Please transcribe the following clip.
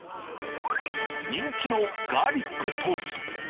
人気のガーリックトースト。